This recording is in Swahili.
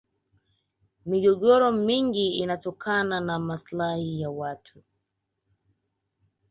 migogoro mingi inatokana na maslahi ya watu